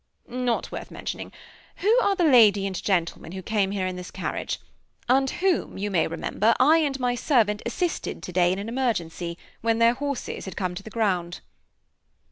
"Not worth mentioning who are the lady and gentleman who came here in this carriage, and whom, you may remember, I and my servant assisted today in an emergency, when their horses had come to the ground?"